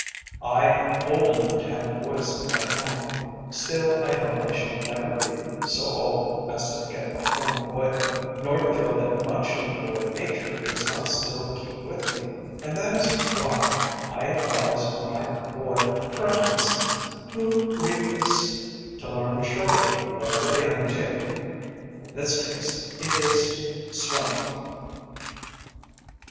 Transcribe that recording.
I am old enough to have boys of my own, still I hope I shall never be so old as to forget my own boyhood, nor to feel that much of the boy nature does not still keep with me; and this is why I advise my boy friends who read this to learn surely whatever they undertake; in this case it is swimming.